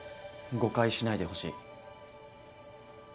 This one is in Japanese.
誤解しないでほしい。